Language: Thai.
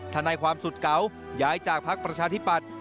ทนายความสุดเก่าย้ายจากภักดิ์ประชาธิปัตย์